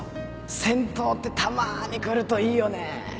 銭湯ってたまに来るといいよね